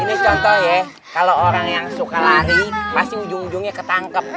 ini contoh ya kalau orang yang suka lari pasti ujung ujungnya ketangkep